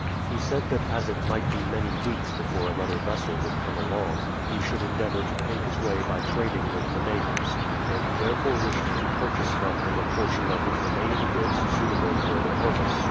He said that as it might be many weeks before another vessel would come along, he should endeavor to pay his way by trading with the natives, and he therefore wished to purchase from him a portion of his remaining goods suitable for the purpose.